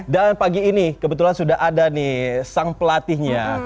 dan pagi ini kebetulan sudah ada nih sang pelatihnya